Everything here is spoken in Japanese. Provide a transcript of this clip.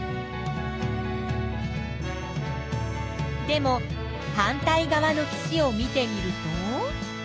でも反対側の岸を見てみると。